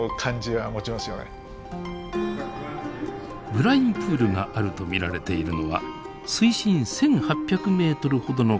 ブラインプールがあると見られているのは水深１，８００ｍほどの海底です。